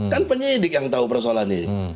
kan penyidik yang tahu persoalan ini